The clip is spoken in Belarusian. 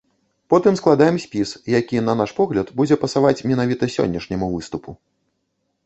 Потым складаем спіс, які, на наш погляд, будзе пасаваць менавіта сённяшняму выступу.